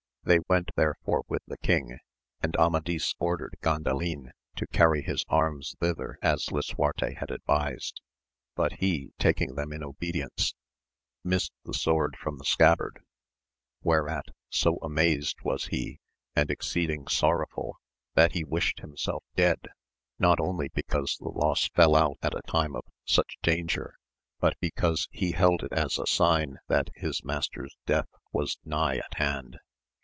They went therefore with the king, and Amadis ordered Gandalin to carry his arms thither as Lisuarte had advised. But he taking them in obedience missed the sword from the scabbard, whereat so amazed was he and exceeding sorrowful that he wished himself dead, not only because the loss fell out at a time of such danger, but because he held it as a sign that his master's death was nigh at hand.